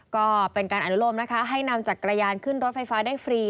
ก็เป็นการอนุโลมนะคะให้นำจักรยานขึ้นรถไฟฟ้าได้ฟรี